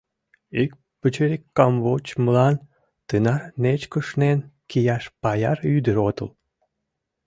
Ик пычырик камвочмылан тынар нечкышнен кияш паяр ӱдыр отыл.